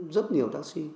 rất nhiều taxi